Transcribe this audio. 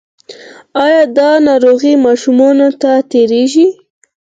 ایا دا ناروغي ماشومانو ته تیریږي؟